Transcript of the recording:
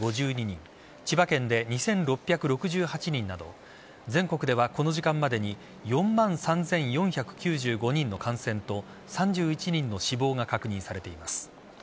千葉県で２６６８人など全国ではこの時間までに４万３４９５人の感染と３１人の死亡が確認されています。